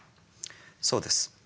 そうです。